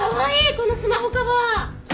このスマホカバー。